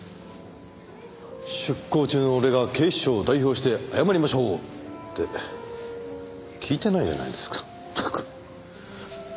出向中の俺が警視庁を代表して謝りましょう。って聞いてないじゃないですかまったく。